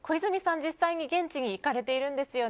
実際に現地に行かれているんですよね。